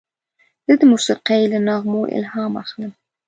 زه د موسیقۍ له نغمو الهام اخلم.